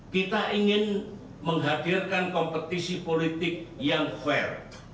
kita ingin menghadirkan kompetisi politik yang fair